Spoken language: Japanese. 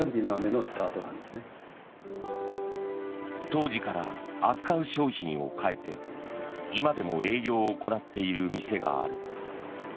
当時から、扱う商品を変えて今でも営業を行っている店がある。